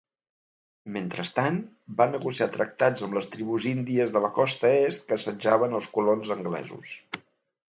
Mentrestant, va negociar tractats amb les tribus índies de la costa est que assetjaven els colons anglesos.